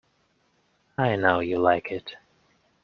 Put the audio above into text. I know you like it.